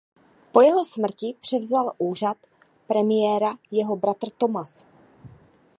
Po jeho smrti převzal úřad premiéra jeho bratr Thomas.